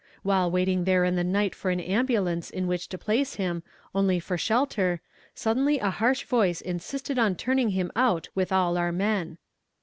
While waiting there in the night for an ambulance in which to place him, only for shelter, suddenly a harsh voice insisted on turning him out with all our men.